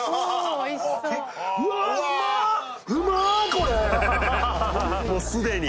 これもうすでに？